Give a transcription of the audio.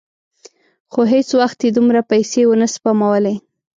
خو هېڅ وخت یې دومره پیسې ونه سپمولې.